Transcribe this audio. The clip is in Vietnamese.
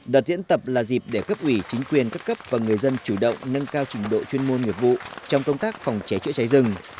đợt diễn tập là dịp để cấp ủy chính quyền các cấp và người dân chủ động nâng cao trình độ chuyên môn nghiệp vụ trong công tác phòng cháy chữa cháy rừng